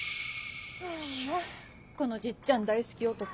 ああこのじっちゃん大好き男。